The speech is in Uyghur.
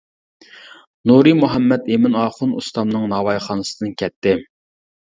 نۇرى مۇھەممەت ئىمىن ئاخۇن ئۇستامنىڭ ناۋايخانىسىدىن كەتتى.